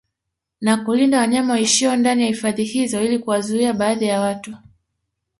Na kulinda wanyama waishio ndani ya hifadhi hizo ili kuwazuia baadhi ya watu